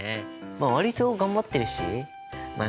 割と頑張ってるしまあ